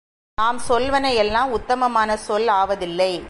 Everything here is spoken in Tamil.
நாம் சொல்வன எல்லாம் உத்தமமான சொல் ஆவதில்லை.